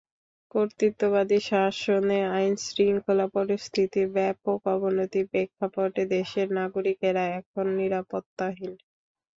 কর্তৃত্ববাদী শাসনে আইনশৃঙ্খলা পরিস্থিতির ব্যাপক অবনতির প্রেক্ষাপটে দেশের নাগরিকেরা এখন নিরাপত্তাহীন।